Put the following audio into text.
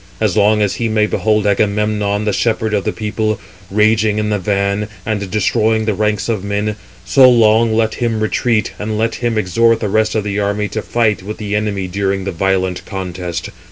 As long as he may behold Agamemnon, the shepherd of the people, raging in the van, [and] destroying the ranks of men, so long let 368 him retreat, and let him exhort the rest of the army to fight with the enemy during the violent contest.